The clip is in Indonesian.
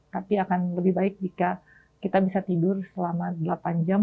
tapi akan lebih baik jika kita bisa tidur selama delapan jam